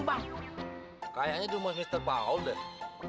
kayaknya di rumah mr paul deh